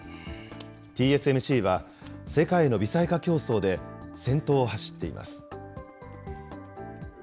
ＴＳＭＣは、世界の微細化競争で先頭を走っています。